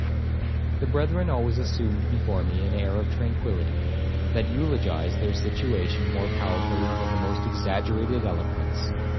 'The brethren always assumed before me an air of tranquillity, that eulogized their situation more powerfully than the most exaggerated eloquence.